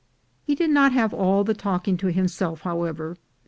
He did not have all the talking to himself, how ever.